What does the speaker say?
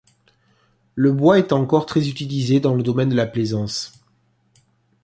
Le bois est encore très utilisé dans le domaine de la plaisance.